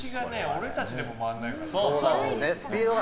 俺たちでも回らないからね。